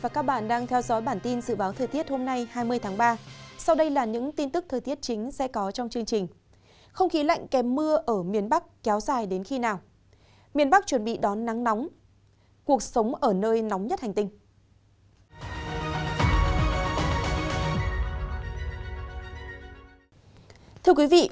các bạn hãy đăng ký kênh để ủng hộ kênh của chúng mình nhé